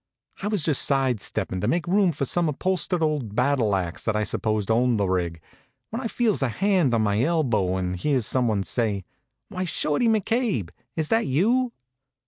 I was just side steppin' to make room for some upholstered old battle ax that I supposed owned the rig, when I feels a hand on my elbow and hear some one say: "Why, Shorty McCabe! is that you?"